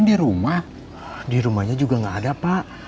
di rumahnya juga gak ada pak